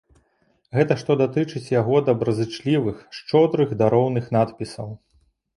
Гэта што датычыць яго добразычлівых, шчодрых дароўных надпісаў.